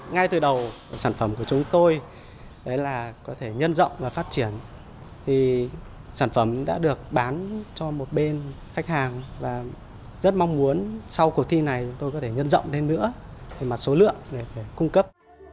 ngay từ đầu sản phẩm của chúng tôi là có thể nhân rộng và phát triển thì sản phẩm đã được bán cho một bên khách hàng và rất mong muốn sau cuộc thi này tôi có thể nhân rộng lên nữa về mặt số lượng để cung cấp